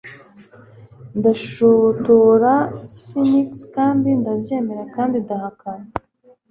Ndashotora sphinx kandi ndabyemeza kandi ndahakana